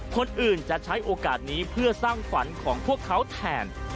คนอื่นจะใช้โอกาสนี้เพื่อสร้างฝันของพวกเขาแทน